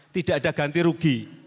tidak ada ganti rugi